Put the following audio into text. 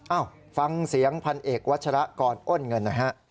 เอ้าฟังเสียงพันธุ์เอกวัตชะละก่อนอ้นเงิน